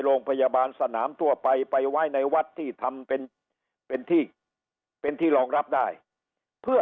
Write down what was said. โรงพยาบาลสนามทั่วไปไปไว้ในวัดที่ทำเป็นเป็นที่เป็นที่รองรับได้เพื่อ